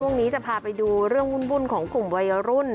ช่วงนี้จะพาไปดูเรื่องวุ่นของกลุ่มวัยรุ่น